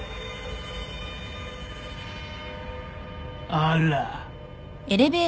あら。